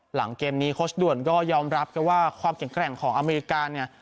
หลังเกมนี้โค้ชด่วนก็ยอมรับกันว่าความแข็งแกร่งของอเมริกาเนี่ย